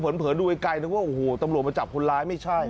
เผินดูไกลนึกว่าโอ้โหตำรวจมาจับคนร้ายไม่ใช่